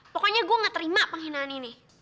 pokoknya gue gak terima penghinaan ini